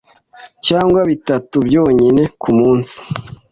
cyangwa bitatu byonyine ku munsi,